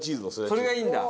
それがいいんだ？